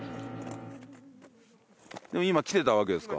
今来てたわけですか。